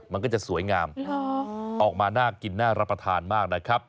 มันก็จะสวยงามออกมาน่ากินน่ารับประทานมากนะครับ